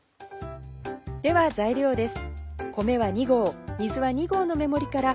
では材料です。